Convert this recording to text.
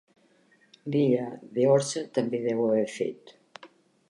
L'illa d'Eorsa també deu haver fet.